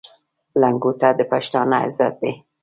لنګوټه د پښتانه عزت دی.